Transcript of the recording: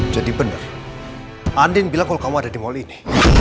jadi bener andi bilang kalau kamu ada di mall ini